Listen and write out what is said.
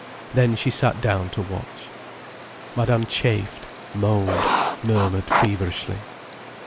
Then she sat down to watch. Madame chafed, moaned, murmured feverishly.